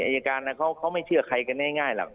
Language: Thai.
อายการเขาไม่เชื่อใครกันง่ายหรอก